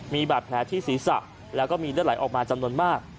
มีบาดแผลที่ศีรษะแล้วก็มีเลือดไหลออกมาจำนวนมาก